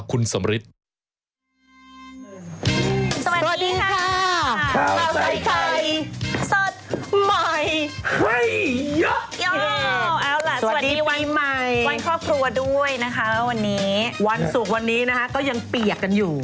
วันศุกร์วันนี้ก็ยังเปี๊ยกกันอยู่